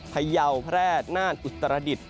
พยาวแพร่น่านอุตรดิษฐ